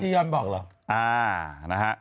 จียอนบอกหรอ